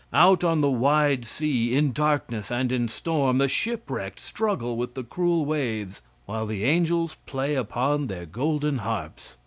Out on the wide sea, in darkness and in storm, the shipwrecked struggle with the cruel waves, while the angels play upon their golden harps.